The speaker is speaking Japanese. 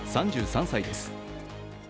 ３３歳です。